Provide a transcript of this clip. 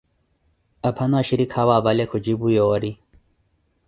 Aphano axhirikha awe apale khuncipu yoori.